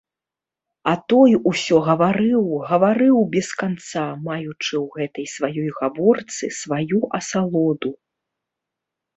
А той усё гаварыў, гаварыў без канца, маючы ў гэтай сваёй гаворцы сваю асалоду.